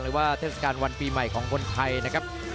ว่าเทศกาลวันปีใหม่ของคนไทยนะครับ